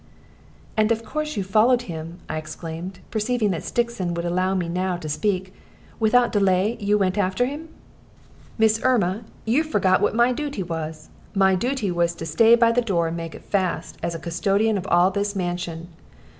"And of course you followed him," I exclaimed, perceiving that Stixon would allow me now to speak. "Without any delay you went after him." "Miss Erma, you forget what my dooty was. My dooty was to stay by the door and make it fast, as custodian of all this mansion.